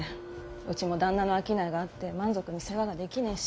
うちも旦那の商いがあって満足に世話ができねぇし。